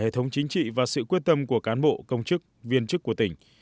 hệ thống chính trị và sự quyết tâm của cán bộ công chức viên chức của tỉnh